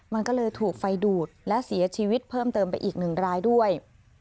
มันก็เลยถูกไฟดูดและเสียชีวิตเพิ่มเติมไปอีกหนึ่งรายด้วย